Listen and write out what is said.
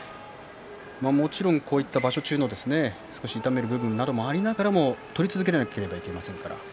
もちろんこういった場所中痛める場面もありますけれども取り続けなければなりません。